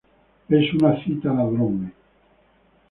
Es una cítara drone.